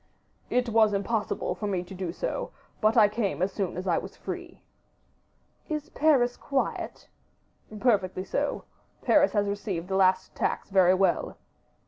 "It was impossible for me to do so; but I came as soon as I was free." "Is Paris quiet?" "Perfectly so. Paris has received the last tax very well."